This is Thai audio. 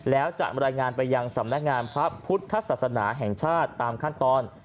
แล้วจะรายงานไปยังสำนักงานพระพุทธศาสนาแห่งชาติตามขั้นตอน